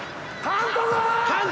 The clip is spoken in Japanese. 監督！